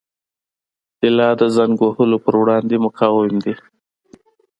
طلا د زنګ وهلو پر وړاندې مقاوم دی.